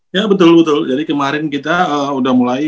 ya betul betul jadi kemarin kita sudah mulai